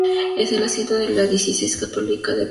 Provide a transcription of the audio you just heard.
Es el asiento de la diócesis católica de Portland.